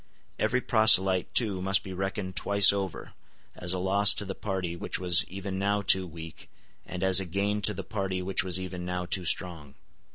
Every proselyte too must be reckoned twice over, as a loss to the party which was even now too weak, and as a gain to the party which was even now too strong.